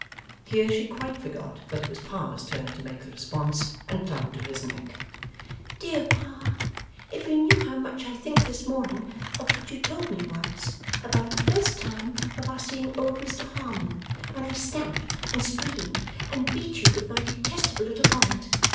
Here, she quite forgot that it was Pa's turn to make the responses, and clung to his neck. 'Dear Pa, if you knew how much I think this morning of what you told me once, about the first time of our seeing old Mr Harmon, when I stamped and screamed and beat you with my detestable little bonnet!